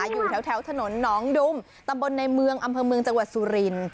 อยู่แถวถนนหนองดุมตำบลในเมืองอำเภอเมืองจังหวัดสุรินทร์